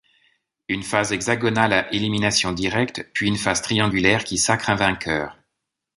Une phase hexagonale à élimination directe, puis une phase triangulaire qui sacre un vainqueur.